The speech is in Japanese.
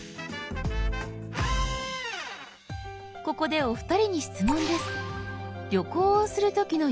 ここでお二人に質問です。